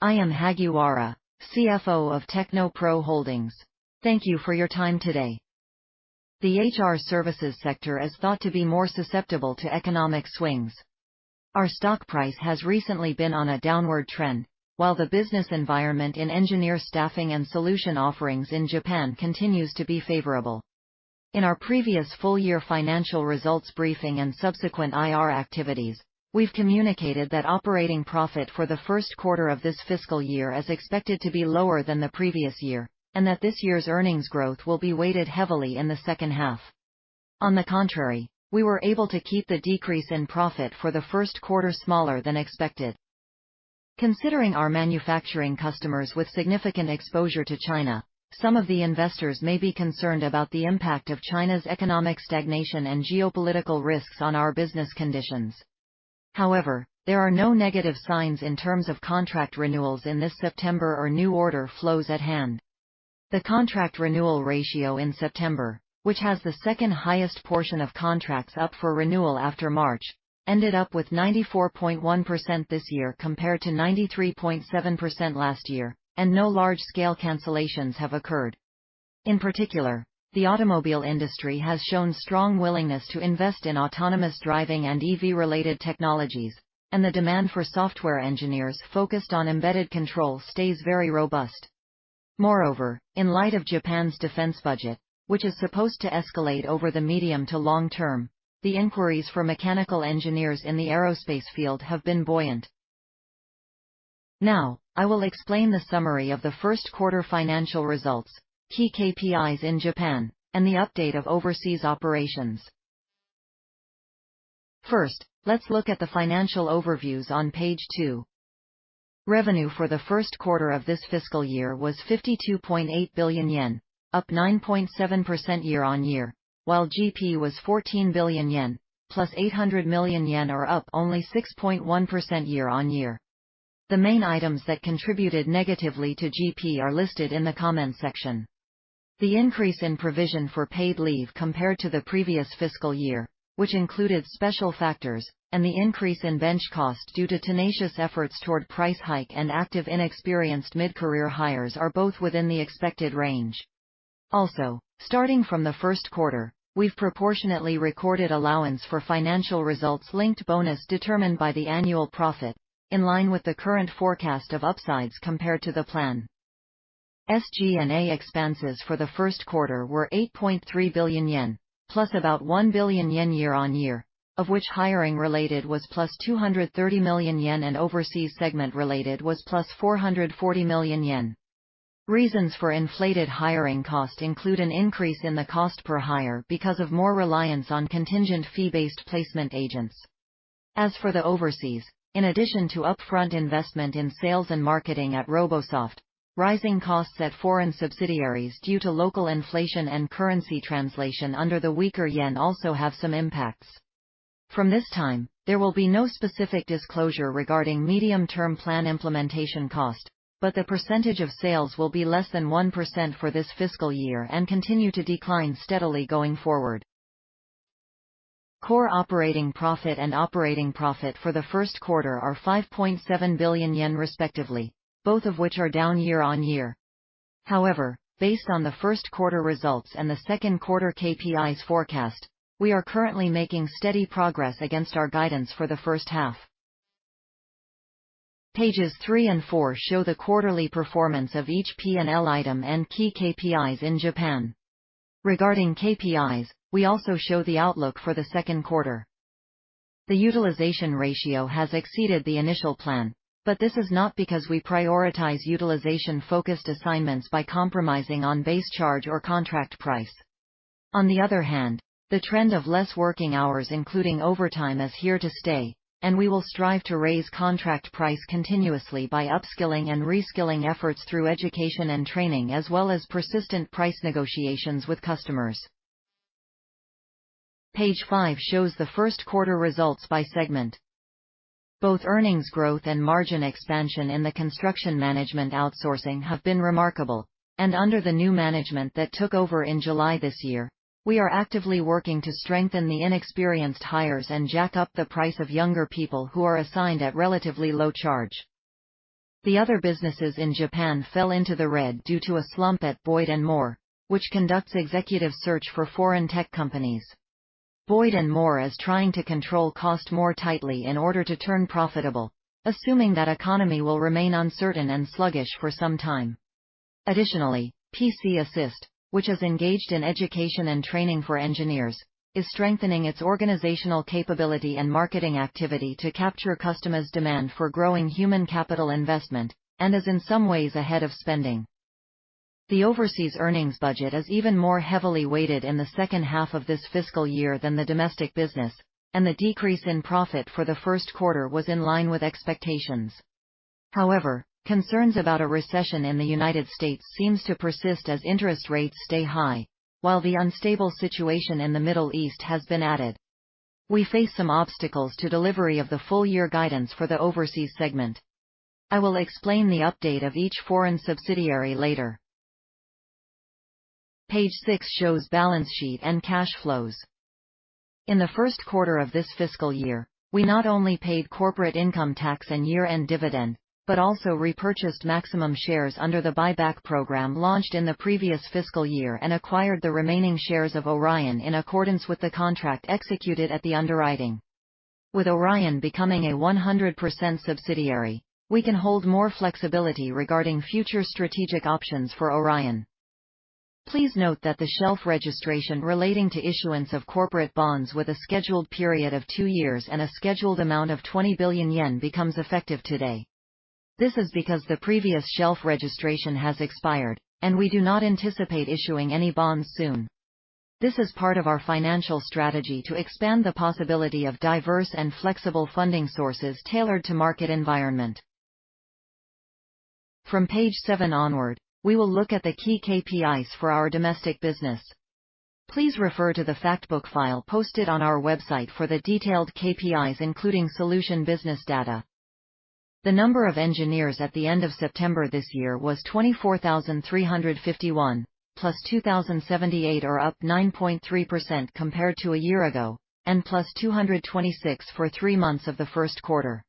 I am Hagiwara, CFO of TechnoPro Holdings. Thank you for your time today. The HR services sector is thought to be more susceptible to economic swings. Our stock price has recently been on a downward trend, while the business environment in engineer staffing and solution offerings in Japan continues to be favorable. In our previous full-year financial results briefing and subsequent IR activities, we've communicated that operating profit for the first quarter of this fiscal year is expected to be lower than the previous year, and that this year's earnings growth will be weighted heavily in the second half. On the contrary, we were able to keep the decrease in profit for the first quarter smaller than expected. Considering our manufacturing customers with significant exposure to China, some of the investors may be concerned about the impact of China's economic stagnation and geopolitical risks on our business conditions. However, there are no negative signs in terms of contract renewals in this September or new order flows at hand. The contract renewal ratio in September, which has the second highest portion of contracts up for renewal after March, ended up with 94.1% this year, compared to 93.7% last year, and no large-scale cancellations have occurred. In particular, the automobile industry has shown strong willingness to invest in autonomous driving and EV-related technologies, and the demand for software engineers focused on embedded control stays very robust. Moreover, in light of Japan's defense budget, which is supposed to escalate over the medium to long term, the inquiries for mechanical engineers in the aerospace field have been buoyant. Now, I will explain the summary of the first quarter financial results, key KPIs in Japan, and the update of overseas operations. First, let's look at the financial overviews on page two. Revenue for the first quarter of this fiscal year was 52.8 billion yen, up 9.7% year-on-year, while GP was 14.8 billion yen, or up only 6.1% year-on-year. The main items that contributed negatively to GP are listed in the comments section. The increase in provision for paid leave compared to the previous fiscal year, which included special factors, and the increase in bench cost due to tenacious efforts toward price hike and active, inexperienced mid-career hires, are both within the expected range. Also, starting from the first quarter, we've proportionately recorded allowance for financial results linked bonus determined by the annual profit, in line with the current forecast of upsides compared to the plan. SG&A expenses for the first quarter were 8.3 billion yen, + about 1 billion yen year-on-year, of which hiring related was + 230 million yen, and overseas segment related was + 440 million yen. Reasons for inflated hiring cost include an increase in the cost per hire because of more reliance on contingent fee-based placement agents. As for the overseas, in addition to upfront investment in sales and marketing at Robosoft, rising costs at foreign subsidiaries due to local inflation and currency translation under the weaker yen also have some impacts. From this time, there will be no specific disclosure regarding medium-term plan implementation cost, but the percentage of sales will be less than 1% for this fiscal year and continue to decline steadily going forward. Core operating profit and operating profit for the first quarter are 5.7 billion yen, respectively, both of which are down year-on-year. However, based on the first quarter results and the second quarter KPIs forecast, we are currently making steady progress against our guidance for the first half. Pages three and four show the quarterly performance of each P&L item and key KPIs in Japan. Regarding KPIs, we also show the outlook for the second quarter. The utilization ratio has exceeded the initial plan, but this is not because we prioritize utilization-focused assignments by compromising on base charge or contract price. On the other hand, the trend of less working hours, including overtime, is here to stay, and we will strive to raise contract price continuously by upskilling and reskilling efforts through education and training, as well as persistent price negotiations with customers. Page five shows the first quarter results by segment. Both earnings growth and margin expansion in the construction management outsourcing have been remarkable, and under the new management that took over in July this year, we are actively working to strengthen the inexperienced hires and jack up the price of younger people who are assigned at relatively low charge. The other businesses in Japan fell into the red due to a slump at Boyd & Moore, which conducts executive search for foreign tech companies. Boyd & Moore is trying to control cost more tightly in order to turn profitable, assuming that economy will remain uncertain and sluggish for some time. Additionally, PC Assist, which is engaged in education and training for engineers, is strengthening its organizational capability and marketing activity to capture customers' demand for growing human capital investment and is, in some ways, ahead of spending. The overseas earnings budget is even more heavily weighted in the second half of this fiscal year than the domestic business, and the decrease in profit for the first quarter was in line with expectations. However, concerns about a recession in the United States seems to persist as interest rates stay high, while the unstable situation in the Middle East has been added. We face some obstacles to delivery of the full year guidance for the overseas segment. I will explain the update of each foreign subsidiary later. Page six shows balance sheet and cash flows. In the first quarter of this fiscal year, we not only paid corporate income tax and year-end dividend, but also repurchased maximum shares under the buyback program launched in the previous fiscal year and acquired the remaining shares of Orion in accordance with the contract executed at the underwriting. With Orion becoming a 100% subsidiary, we can hold more flexibility regarding future strategic options for Orion. Please note that the shelf registration relating to issuance of corporate bonds with a scheduled period of two years and a scheduled amount of 20 billion yen becomes effective today. This is because the previous shelf registration has expired, and we do not anticipate issuing any bonds soon. This is part of our financial strategy to expand the possibility of diverse and flexible funding sources tailored to market environment. From page seven onward, we will look at the key KPIs for our domestic business. Please refer to the Factbook file posted on our website for the detailed KPIs, including solution business data. The number of engineers at the end of September this year was 24,351, +2,078, or up 9.3% compared to a year ago, and +226 for three months of the first quarter.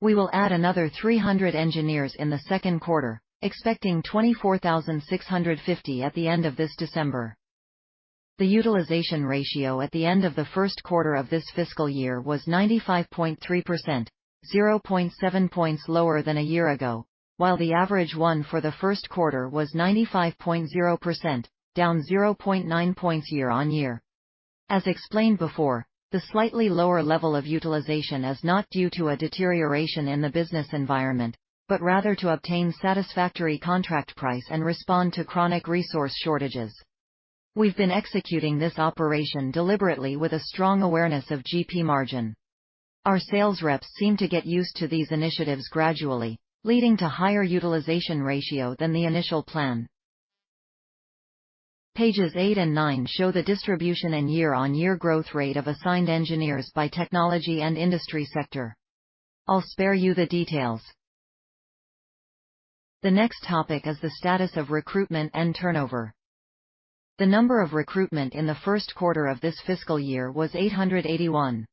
We will add another 300 engineers in the second quarter, expecting 24,650 at the end of this December. The utilization ratio at the end of the first quarter of this fiscal year was 95.3%, 0.7 points lower than a year ago, while the average one for the first quarter was 95.0%, down 0.9 points year-on-year. As explained before, the slightly lower level of utilization is not due to a deterioration in the business environment, but rather to obtain satisfactory contract price and respond to chronic resource shortages. We've been executing this operation deliberately with a strong awareness of GP margin. Our sales reps seem to get used to these initiatives gradually, leading to higher utilization ratio than the initial plan. Pages eight and nine show the distribution and year-on-year growth rate of assigned engineers by technology and industry sector. I'll spare you the details. The next topic is the status of recruitment and turnover. The number of recruitment in the first quarter of this fiscal year was 881.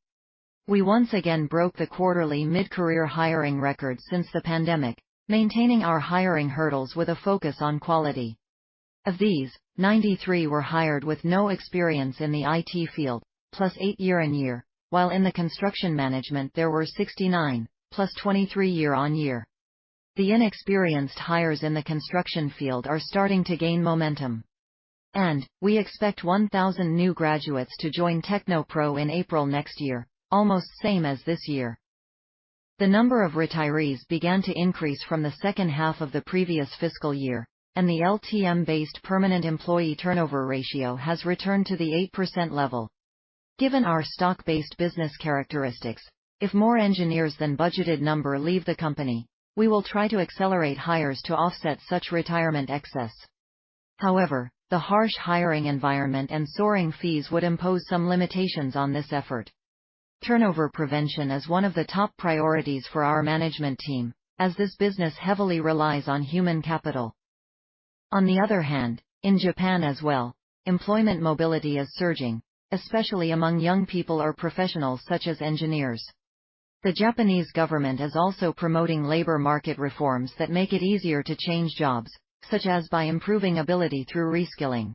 We once again broke the quarterly mid-career hiring record since the pandemic, maintaining our hiring hurdles with a focus on quality. Of these, 93 were hired with no experience in the IT field, +8 year-on-year, while in the construction management, there were 69, +23 year-on-year. The inexperienced hires in the construction field are starting to gain momentum, and we expect 1,000 new graduates to join TechnoPro in April next year, almost same as this year. The number of retirees began to increase from the second half of the previous fiscal year, and the LTM-based permanent employee turnover ratio has returned to the 8% level. Given our stock-based business characteristics, if more engineers than budgeted number leave the company, we will try to accelerate hires to offset such retirement excess. However, the harsh hiring environment and soaring fees would impose some limitations on this effort. Turnover prevention is one of the top priorities for our management team, as this business heavily relies on human capital. On the other hand, in Japan as well, employment mobility is surging, especially among young people or professionals such as engineers. The Japanese government is also promoting labor market reforms that make it easier to change jobs, such as by improving ability through reskilling.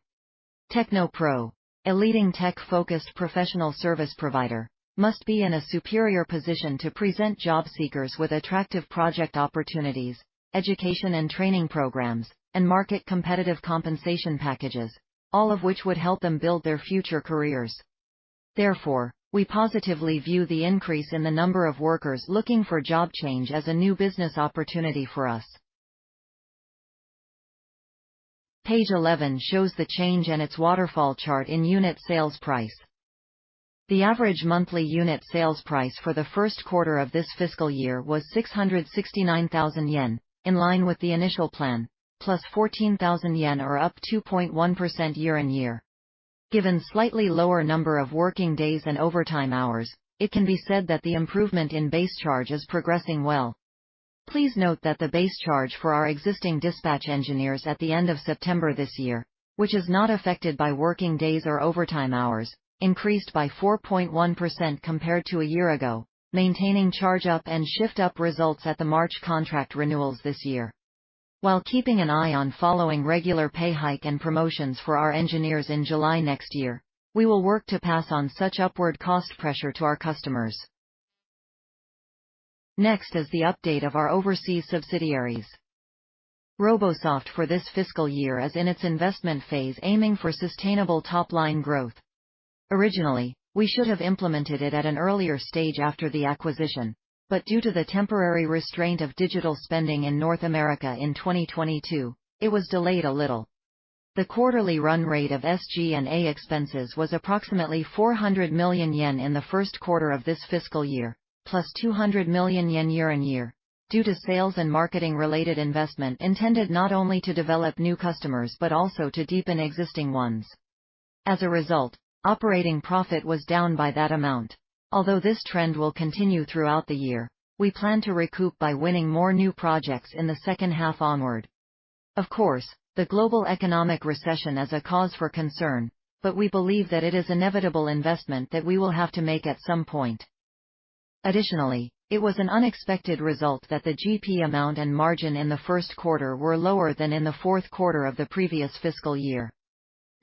TechnoPro, a leading tech-focused professional service provider, must be in a superior position to present job seekers with attractive project opportunities, education and training programs, and market competitive compensation packages, all of which would help them build their future careers. Therefore, we positively view the increase in the number of workers looking for job change as a new business opportunity for us. Page 11 shows the change and its waterfall chart in unit sales price. The average monthly unit sales price for the first quarter of this fiscal year was 669,000 yen, in line with the initial plan, plus 14,000 yen, or up 2.1% year-on-year. Given slightly lower number of working days and overtime hours, it can be said that the improvement in base charge is progressing well. Please note that the base charge for our existing dispatch engineers at the end of September this year, which is not affected by working days or overtime hours, increased by 4.1% compared to a year ago, maintaining Charge Up and Shift Up results at the March contract renewals this year. While keeping an eye on following regular pay hike and promotions for our engineers in July next year, we will work to pass on such upward cost pressure to our customers. Next is the update of our overseas subsidiaries. Robosoft for this fiscal year is in its investment phase, aiming for sustainable top-line growth. Originally, we should have implemented it at an earlier stage after the acquisition, but due to the temporary restraint of digital spending in North America in 2022, it was delayed a little. The quarterly run rate of SG&A expenses was approximately 400 million yen in the first quarter of this fiscal year, plus 200 million yen year-on-year, due to sales and marketing-related investment intended not only to develop new customers but also to deepen existing ones. As a result, operating profit was down by that amount. Although this trend will continue throughout the year, we plan to recoup by winning more new projects in the second half onward. Of course, the global economic recession is a cause for concern, but we believe that it is inevitable investment that we will have to make at some point. Additionally, it was an unexpected result that the GP amount and margin in the first quarter were lower than in the fourth quarter of the previous fiscal year.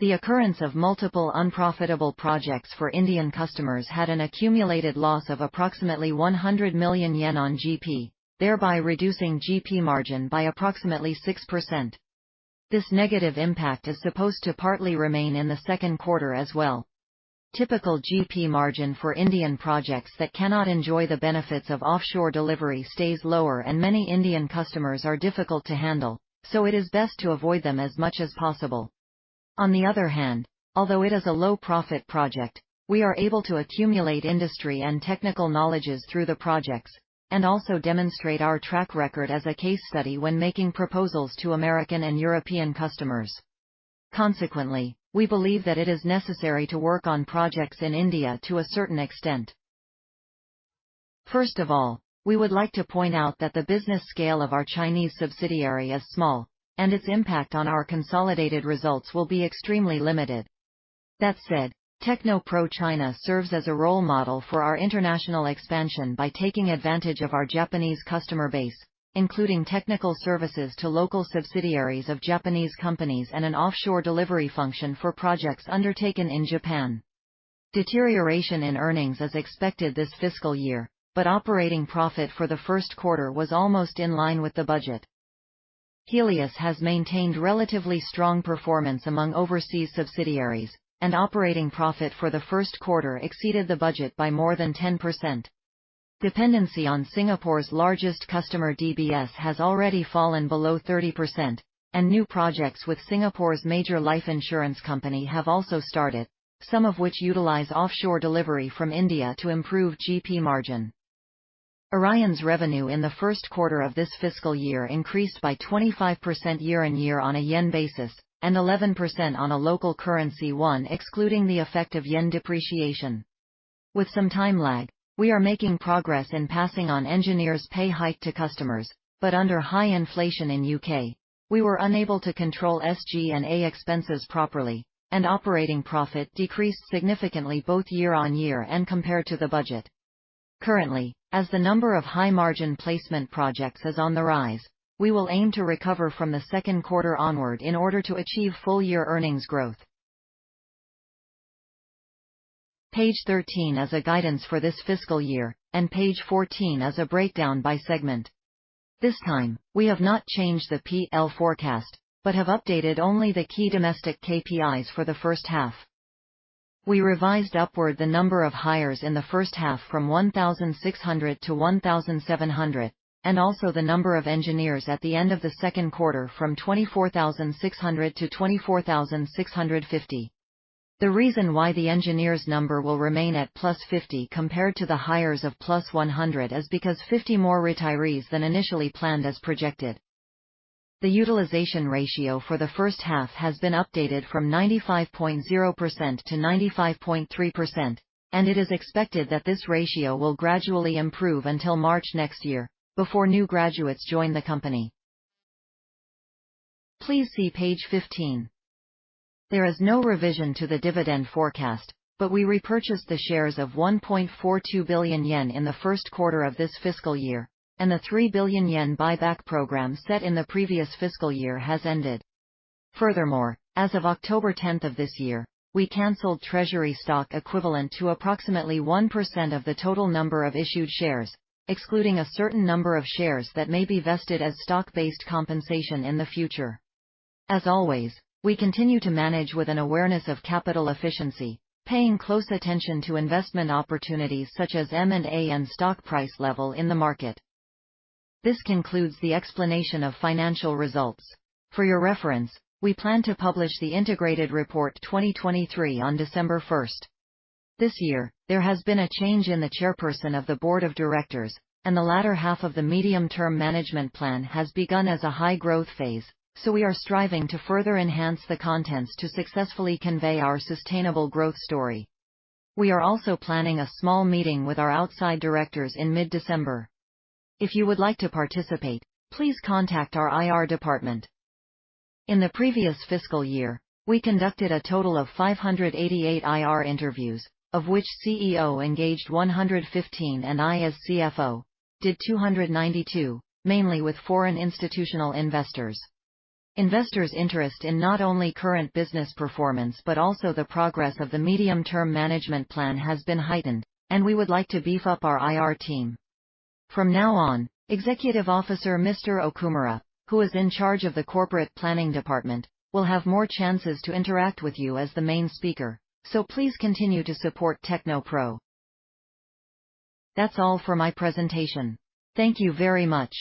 The occurrence of multiple unprofitable projects for Indian customers had an accumulated loss of approximately 100 million yen on GP, thereby reducing GP margin by approximately 6%. This negative impact is supposed to partly remain in the second quarter as well. Typical GP margin for Indian projects that cannot enjoy the benefits of offshore delivery stays lower, and many Indian customers are difficult to handle, so it is best to avoid them as much as possible. On the other hand, although it is a low-profit project, we are able to accumulate industry and technical knowledges through the projects and also demonstrate our track record as a case study when making proposals to American and European customers. Consequently, we believe that it is necessary to work on projects in India to a certain extent. First of all, we would like to point out that the business scale of our Chinese subsidiary is small, and its impact on our consolidated results will be extremely limited. That said, TechnoPro China serves as a role model for our international expansion by taking advantage of our Japanese customer base, including technical services to local subsidiaries of Japanese companies and an offshore delivery function for projects undertaken in Japan. Deterioration in earnings is expected this fiscal year, but operating profit for the first quarter was almost in line with the budget. Helius has maintained relatively strong performance among overseas subsidiaries, and operating profit for the first quarter exceeded the budget by more than 10%. Dependency on Singapore's largest customer, DBS, has already fallen below 30%, and new projects with Singapore's major life insurance company have also started, some of which utilize offshore delivery from India to improve GP margin. Orion's revenue in the first quarter of this fiscal year increased by 25% year-on-year on a yen basis, and 11% on a local currency, one excluding the effect of yen depreciation. With some time lag, we are making progress in passing on engineers' pay hike to customers, but under high inflation in U.K., we were unable to control SG&A expenses properly, and operating profit decreased significantly both year-on-year and compared to the budget. Currently, as the number of high-margin placement projects is on the rise, we will aim to recover from the second quarter onward in order to achieve full-year earnings growth. Page 13 is a guidance for this fiscal year, and page 14 is a breakdown by segment. This time, we have not changed the P/L forecast, but have updated only the key domestic KPIs for the first half. We revised upward the number of hires in the first half from 1,600 to 1,700, and also the number of engineers at the end of the second quarter from 24,600 to 24,650. The reason why the engineers' number will remain at +50 compared to the hires of +100 is because 50 more retirees than initially planned is projected. The utilization ratio for the first half has been updated from 95.0% to 95.3%, and it is expected that this ratio will gradually improve until March next year, before new graduates join the company. Please see page 15. There is no revision to the dividend forecast, but we repurchased the shares of 1.42 billion yen in the first quarter of this fiscal year, and the 3 billion yen buyback program set in the previous fiscal year has ended. Furthermore, as of October 10 of this year, we canceled treasury stock equivalent to approximately 1% of the total number of issued shares, excluding a certain number of shares that may be vested as stock-based compensation in the future. As always, we continue to manage with an awareness of capital efficiency, paying close attention to investment opportunities such as M&A and stock price level in the market. This concludes the explanation of financial results. For your reference, we plan to publish the Integrated Report 2023 on December first. This year, there has been a change in the chairperson of the Board of Directors, and the latter half of the medium-term management plan has begun as a high-growth phase, so we are striving to further enhance the contents to successfully convey our sustainable growth story. We are also planning a small meeting with our outside directors in mid-December. If you would like to participate, please contact our IR Department. In the previous fiscal year, we conducted a total of 588 IR interviews, of which CEO engaged 115, and I, as CFO, did 292, mainly with foreign institutional investors. Investors' interest in not only current business performance but also the progress of the medium-term management plan has been heightened, and we would like to beef up our IR team. From now on, Executive Officer, Mr. Okumura, who is in charge of the Corporate Planning Department, will have more chances to interact with you as the main speaker, so please continue to support TechnoPro. That's all for my presentation. Thank you very much!